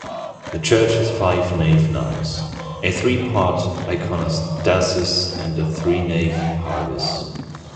The church has five-nave naos, a three-part iconostasis, and a three-nave parvise.